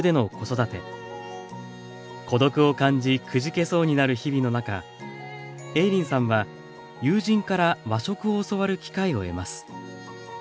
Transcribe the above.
孤独を感じくじけそうになる日々の中映林さんは友人から和食を教わる機会を得ます。